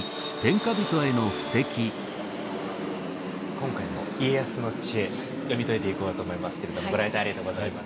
今回も家康の知恵読み解いていこうと思いますけれどご来店ありがとうございます。